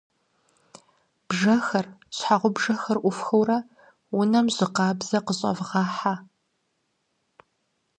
Бжэхэр, щхьэгъубжэхэр ӏуфхыурэ унэм жьы къабзэ къыщӀэвгъэхьэ.